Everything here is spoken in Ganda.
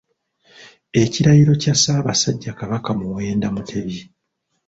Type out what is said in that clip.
Ekirayiro kya Ssabasajja Kabaka Muwenda Mutebi